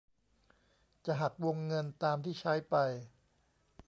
จะหักวงเงินตามที่ใช้ไป